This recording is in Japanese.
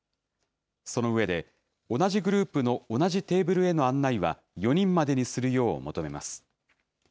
その上で、同じグループの同じテーブルへの案内は４人までにするよう求めます。